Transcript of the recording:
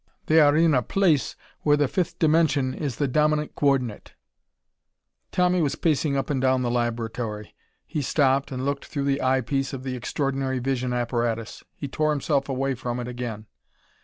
They are in a place where the fifth dimension is the dominant coordinate." Tommy was pacing up and down the laboratory. He stopped and looked through the eyepiece of the extraordinary vision apparatus. He tore himself away from it again.